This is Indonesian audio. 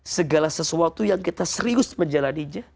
segala sesuatu yang kita serius menjalannya